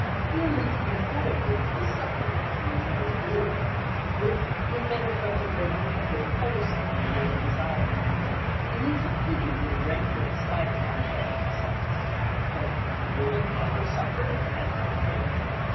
He alludes pathetically to the sufferings men have endured at the hands of women when men have felt it their duty to oppose something women desired. It is a pity when rancour and spite manifest themselves, but have women never suffered at the hands of men?